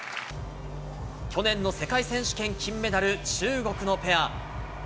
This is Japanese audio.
去年の世界選手権金メダル、中国のペア。